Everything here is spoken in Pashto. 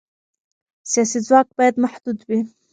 سیاسي ځواک باید محدود وي